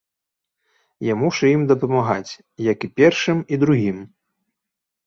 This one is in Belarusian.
Я мушу ім дапамагаць, як і першым і другім.